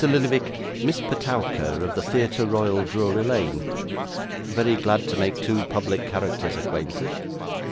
Lillyvick Miss Petowker of the Theatre Royal, Drury Lane. Very glad to make two public characters acquainted!